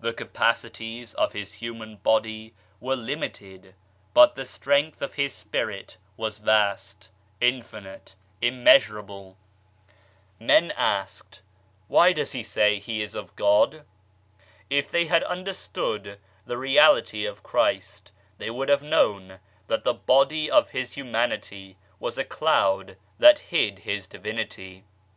The capacities of His human body were limited but the strength of His spirit was vast, infinite, immeasurable. 1 St. John iii., 13. * St. Matthew xxiv., 30. St. Matthew xvi., 27. CLOUDS 39 Men asked, " Why does He say He is of God ?" If they had understood the Reality of Christ, they would have known that the Body of His humanity was a cloud that hid His Divinity.